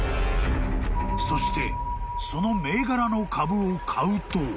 ［そしてその銘柄の株を買うと］